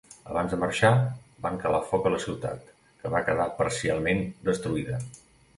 Abans de marxar, van calar foc a la ciutat, que va quedar parcialment destruïda.